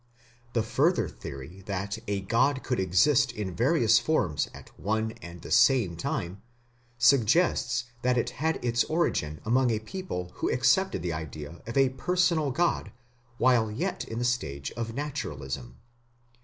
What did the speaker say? The further theory that a god could exist in various forms at one and the same time suggests that it had its origin among a people who accepted the idea of a personal god while yet in the stage of Naturalism.